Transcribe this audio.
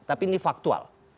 tapi ini faktual